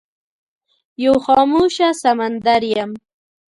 یو خاموشه سمندر یم